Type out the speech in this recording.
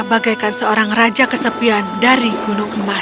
bagaikan seorang raja kesepian dari gunung emas